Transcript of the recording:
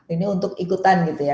ini untuk ikutan gitu ya